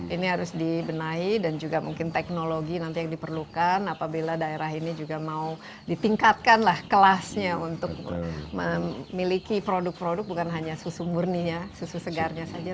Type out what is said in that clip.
ini harus dibenahi dan juga mungkin teknologi nanti yang diperlukan apabila daerah ini juga mau ditingkatkanlah kelasnya untuk memiliki produk produk bukan hanya susu murni ya susu segarnya saja